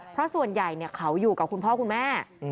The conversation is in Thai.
เพราะส่วนใหญ่เขาอยู่กับคุณพ่อคุณแม่